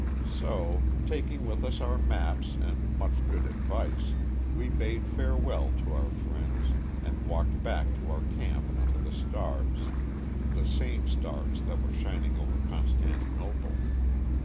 So, taking with us our maps and much good advice, we bade farewell to our friends, and walked back to our camp under the stars the same stars that were shining over Constantinople.